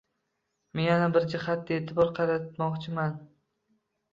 Men yana bir jihatga e’tibor qaratmoqchiman.